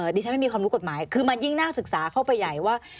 ดิฉันไม่มีความรู้กฎหมายคือมันยิ่งน่าศึกษาเข้าไปใหญ่ว่า